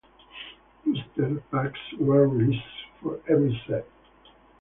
Booster packs were released for every set.